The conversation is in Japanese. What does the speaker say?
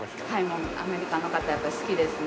もうアメリカの方はやっぱり好きですね。